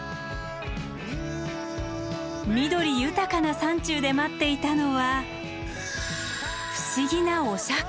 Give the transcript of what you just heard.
緑豊かな山中で待っていたのは不思議なお釈様。